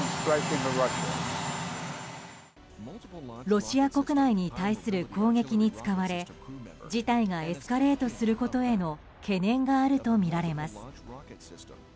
ロシア国内に対する攻撃に使われ事態がエスカレートすることへの懸念があるとみられます。